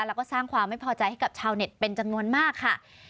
แล้วก็สร้างความไม่พอใจให้กับชาวเน็ตเป็นจำนวนมากค่ะ